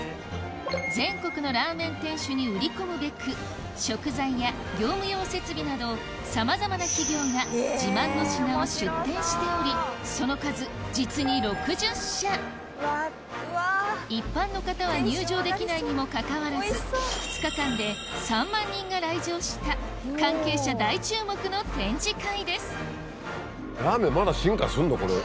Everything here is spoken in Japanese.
全国のラーメン店主に売り込むべく食材や業務用設備などさまざまな企業が自慢の品を出展しておりその数実に一般の方は入場できないにもかかわらず２日間で３万人が来場した関係者大注目の展示会です